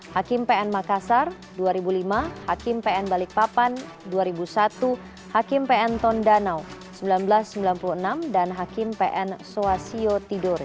hakim pn makassar dua ribu lima hakim pn balikpapan dua ribu satu hakim pn tondanau seribu sembilan ratus sembilan puluh enam dan hakim pn swasiyo tidore